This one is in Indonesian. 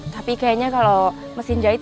tapi kayaknya kalau mesin jahit